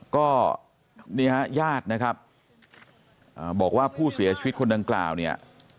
ก็เนี่ยฮะญาตินะครับบอกว่าผู้เสียชีวิตคนดังกล่าวเนี่ย